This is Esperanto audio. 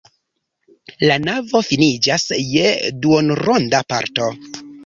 La navo finiĝas je duonronda parto.